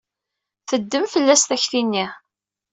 Teddem fell-as takti-nni.